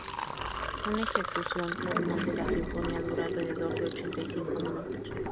Una ejecución normal de la sinfonía dura alrededor de ochenta y cinco minutos.